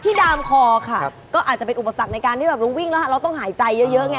ดามคอค่ะก็อาจจะเป็นอุปสรรคในการที่แบบเราวิ่งแล้วเราต้องหายใจเยอะไง